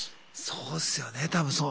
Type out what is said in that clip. そうですよね多分そう。